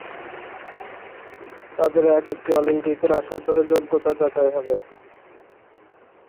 তাদের এক-একটি অলিম্পিকের আসর ধরে যোগ্যতা যাচাই হবে।